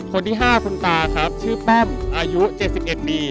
คนที่๕คุณตาครับชื่อแป้มอายุ๗๑ปี